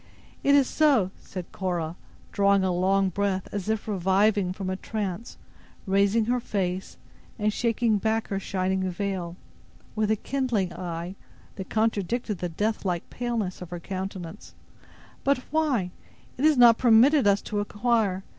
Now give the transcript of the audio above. "It is so," said Cora, drawing a long breath, as if reviving from a trance, raising her face, and shaking back her shining veil, with a kindling eye, that contradicted the death like paleness of her countenance; "but why—it is not permitted us to inquire.